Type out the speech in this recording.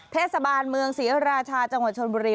เทศบาลเมืองศรีราชาจังหวัดชนบุรี